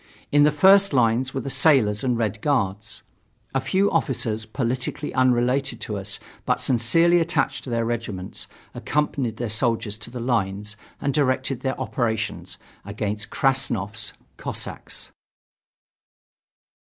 In the first lines were the sailors and Red Guards. A few officers, politically unrelated to us but sincerely attached to their regiments, accompanied their soldiers to the lines and directed their operations against Krassnov's Cossacks.